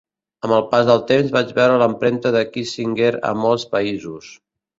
Amb el pas del temps vaig veure l'empremta de Kissinger a molts països.